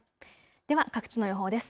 では各地の予報です。